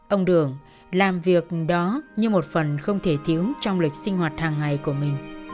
ông đường làm việc đó như một phần không thể thiếu trong lịch sinh hoạt hàng ngày của mình